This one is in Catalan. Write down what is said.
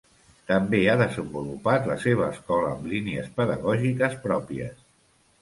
També ha desenvolupat la seva escola amb línies pedagògiques pròpies.